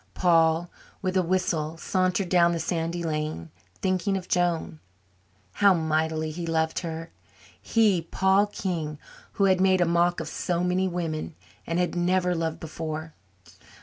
Paul, with a whistle, sauntered down the sandy lane, thinking of Joan. How mightily he loved her he, Paul King, who had made a mock of so many women and had never loved before!